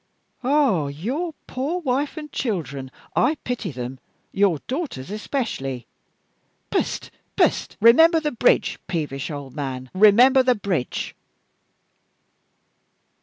Ah! your poor wife and children, I pity them; your daughters especially! Pst! pst! Remember the bridge peevish old man, remember the bridge!"